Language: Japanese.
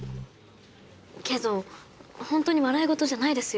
けどホントに笑い事じゃないですよ。